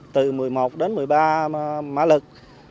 từ một mươi một đến một mươi ba mã lực